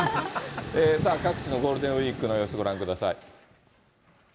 さあ、各地のゴールデンウィークの様子、ご覧ください。